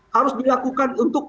harus dilakukan untuk